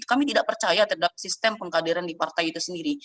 kami tidak percaya terhadap sistem pengkaderan di partai itu sendiri